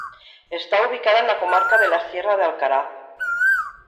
Está ubicada en la comarca de la Sierra de Alcaraz.